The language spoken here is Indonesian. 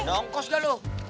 nongkos dah lu